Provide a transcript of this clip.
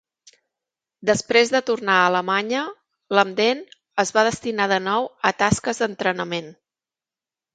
Després de tornar a Alemanya, l'Emden es va destinar de nou a tasques d'entrenament.